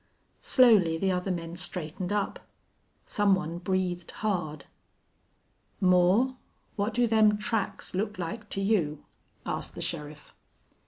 Slowly the other men straightened up. Some one breathed hard. "Moore, what do them tracks look like to you?" asked the sheriff.